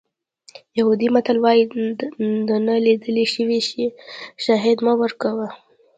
یهودي متل وایي د نه لیدل شوي شي شاهدي مه ورکوه.